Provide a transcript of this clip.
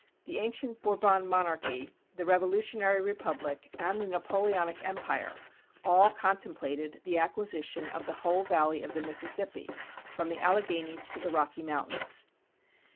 The ancient Bourbon monarchy, the revolutionary republic, and the Napoleonic empire all contemplated the acquisition of the whole Valley of the Mississippi from the Alleghanies to the Rocky Mountains.